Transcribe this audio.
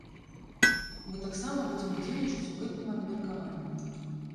Мы таксама будзем удзельнічаць у гэтым абмеркаванні.